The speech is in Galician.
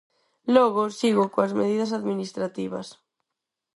Logo sigo coas medidas administrativas.